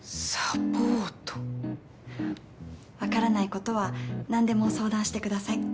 わからない事はなんでも相談してください。